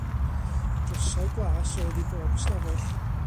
Drysau glas oedd i bob ystafell.